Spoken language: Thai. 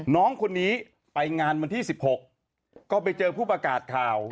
น้องคนนี้ไปงานวันที่๑๖ก็ไปเจอผู้ประกาศข่าว